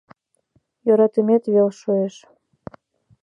Йӧратымет вел шуэш.